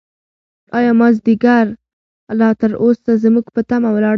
ایا مازیګر لا تر اوسه زموږ په تمه ولاړ دی؟